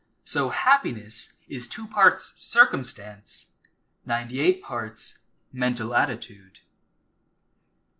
So happiness is two parts circumstance, ninety eight parts mental attitude.